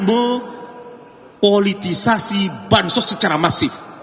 membopolisasi bansos secara masif